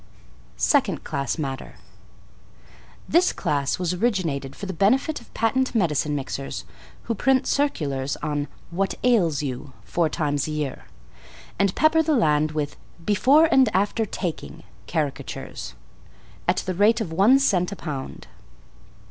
=Second class Matter.= This class was originated for the benefit of Patent Medicine Mixers, who print circulars on "What Ails You" four times a year, and pepper the land with "Before and after taking" caricatures, at the rate of one cent a pound.